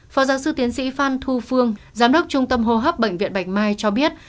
phó giáo sư tiến sĩ phan thu phương giám đốc trung tâm hô hấp bệnh viện bạch mai cho biết